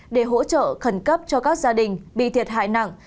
để hỗ trợ khẩn cấp cho các gia đình bị thiệt hại nặng